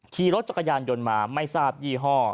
ขี่รถจักรยานยนต์มาไม่ทราบยี่ห้อ